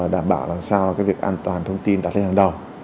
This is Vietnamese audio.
đảm bảo làm sao việc an toàn thông tin đặt lên hàng đầu